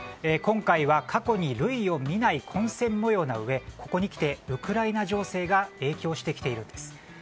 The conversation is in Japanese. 今回は過去に類を見ない混戦模様なうえここにきてウクライナ情勢が影響してきているんです。